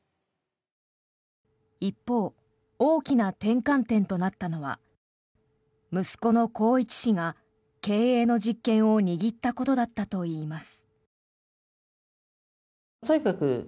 一方、大きな転換点となったのは息子の宏一氏が経営の実権を握ったことだったといいます。